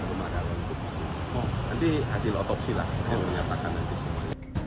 nanti hasil otopsi lah yang menyatakan nanti semuanya